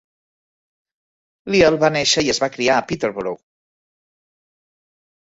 Leal va néixer i es va criar a Peterborough.